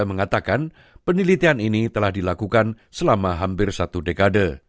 mengatakan penelitian ini telah dilakukan selama hampir satu dekade